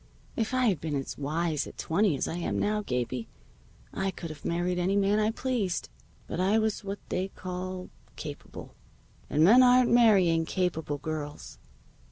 If I had been as wise at twenty as I am now, Gabie, I could have married any man I pleased. But I was what they call capable. And men aren't marrying capable girls.